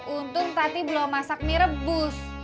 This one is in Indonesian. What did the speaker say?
untung tadi belum masak mie rebus